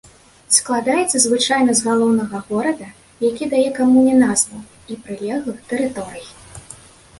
Складаецца звычайна з галоўнага горада, які дае камуне назву, і прылеглых тэрыторый.